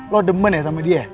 lo demen ya sama dia